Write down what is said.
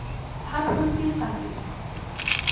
حَرْفٌ فِي قَلْبِك